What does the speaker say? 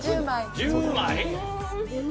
１０枚？